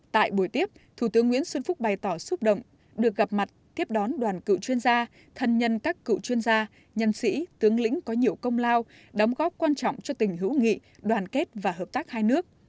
tại buổi tiếp thủ tướng nguyễn xuân phúc bày tỏ xúc động được gặp mặt tiếp đón đoàn cựu chuyên gia thân nhân các cựu chuyên gia nhân sĩ tướng lĩnh có nhiều công lao đóng góp quan trọng cho tình hữu nghị đoàn kết và hợp tác hai nước